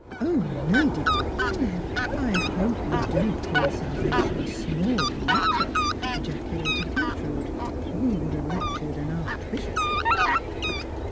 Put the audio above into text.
" O Lady Paulyn, I hope you don't call salvation a small matter !" ejaculated Gertrude, who would have lectured an archbishop.